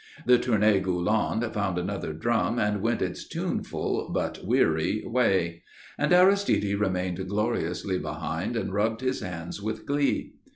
The Tournée Gulland found another drum and went its tuneful but weary way; and Aristide remained gloriously behind and rubbed his hands with glee.